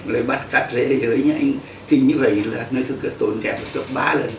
rồi bắt cắt rễ rưỡi nha anh thì như vậy là tôi cũng kẹp một chục ba lên